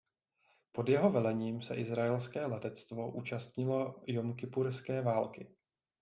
Pod jeho velením se izraelské letectvo účastnilo Jomkipurské války.